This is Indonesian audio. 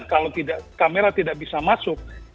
kalau kamera tidak bisa masuk